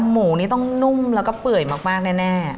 หมูนี่ต้องนุ่มแล้วก็เปื่อยมากแน่